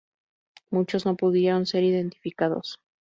Muchos no pudieron ser identificados.